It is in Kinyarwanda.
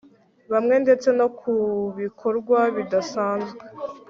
bamwe, ndetse no mubikorwa bidasanzwe